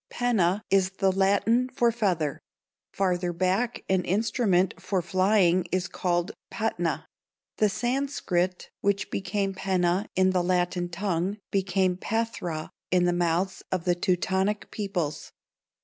Penna is the Latin for feather; farther back an instrument for flying is called patna; the Sanskrit which became penna in the Latin tongue became phathra in the mouths of the Teutonic peoples.